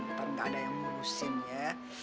ntar gak ada yang ngurusin ya